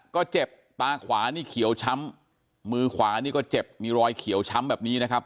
ก็เจ็บตาขวานี่เขียวช้ำมือขวานี่ก็เจ็บมีรอยเขียวช้ำแบบนี้นะครับ